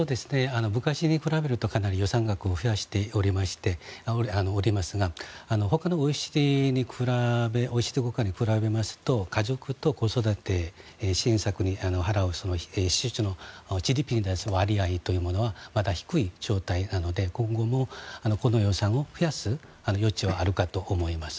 昔に比べるとかなり予算額を増やしておりますが他のＯＥＣＤ諸国に比べますと家族と子育て支援策に払うＧＤＰに対する割合というものはまだ低い状態なので今後もこの予算を増やす余地はあるかと思います。